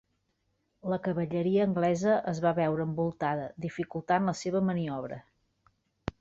La cavalleria anglesa es va veure envoltada, dificultant la seva maniobra.